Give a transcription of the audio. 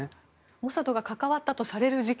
モサドが関わったとされる事件